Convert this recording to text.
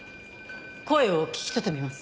声を聞き取ってみます。